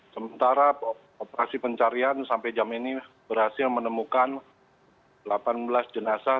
sementara operasi pencarian sampai jam ini berhasil menemukan delapan belas jenazah